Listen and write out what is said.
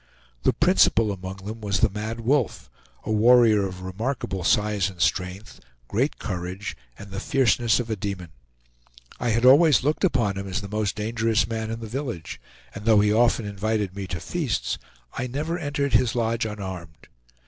The principal among them was the Mad Wolf, a warrior of remarkable size and strength, great courage, and the fierceness of a demon. I had always looked upon him as the most dangerous man in the village; and though he often invited me to feasts, I never entered his lodge unarmed.